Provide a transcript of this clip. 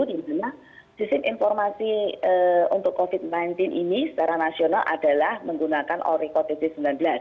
di mana sistem informasi untuk covid sembilan belas ini secara nasional adalah menggunakan ori covid sembilan belas